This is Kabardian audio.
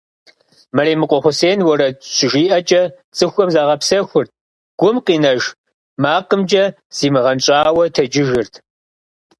Мэремыкъуэ Хъусен уэрэд щыжиӀэкӀэ цӀыхухэм загъэпсэхурт, гум къинэж макъымкӀэ замыгъэнщӀауэ тэджыжырт.